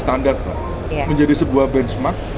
standar menjadi sebuah benchmark